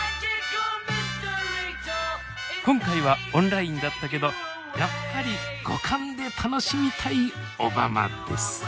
今回はオンラインだったけどやっぱり五感で楽しみたい小浜です。